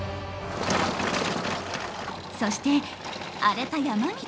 そして荒れた山道。